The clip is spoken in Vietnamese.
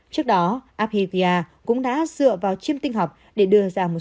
trước đó abhidhya cũng đã dựa vào chiêm tinh học để đưa ra một số